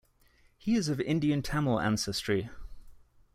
He is of Indian Tamil ancestry.